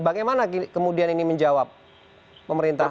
bagaimana kemudian ini menjawab pemerintah